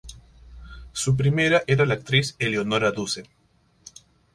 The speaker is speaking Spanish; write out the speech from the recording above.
Su prima era la actriz Eleonora Duse.